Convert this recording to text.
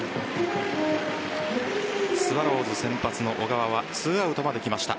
スワローズ先発の小川は２アウトまで来ました。